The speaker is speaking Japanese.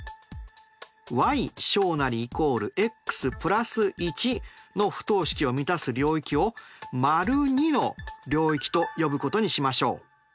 ｙ≦ｘ＋１の不等式を満たす領域を②の領域と呼ぶことにしましょう。